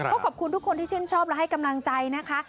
ก็ขอบคุณทุกคนที่ชื่นชอบและให้กำลังใจนะคะ